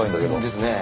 ですねえ。